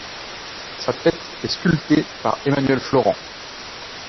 Sa tête est sculptée par Emmanuel Florent.